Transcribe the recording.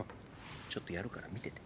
ちょっとやるから見てて。